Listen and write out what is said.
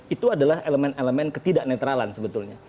itu adalah elemen elemen ketidak netralan sebetulnya